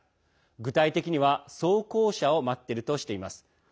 具体的には装甲車を待っているとしています。